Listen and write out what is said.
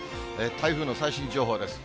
台風の最新情報です。